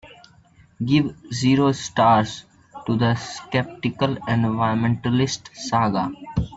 Give zero stars to The Skeptical Environmentalist saga